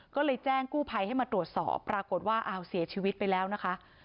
ก็เลยแจ้งกู้ภัยให้มาตรวจสอบปรากฏว่าอ้าวเสียชีวิตไปแล้วนะคะ